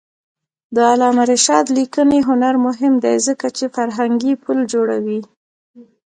د علامه رشاد لیکنی هنر مهم دی ځکه چې فرهنګي پل جوړوي.